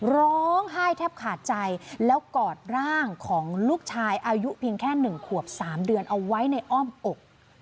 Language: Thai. ร้องไห้แทบขาดใจแล้วกอดร่างของลูกชายอายุเพียงแค่๑ขวบ๓เดือนเอาไว้ในอ้อมอก